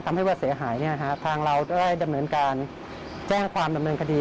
ว่าเสียหายทางเราได้ดำเนินการแจ้งความดำเนินคดี